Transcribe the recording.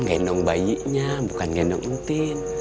gendong bayinya bukan gendong utin